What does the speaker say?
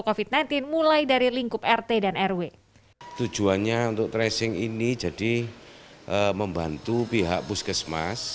covid sembilan belas mulai dari lingkup rt dan rw tujuannya untuk tracing ini jadi membantu pihak puskesmas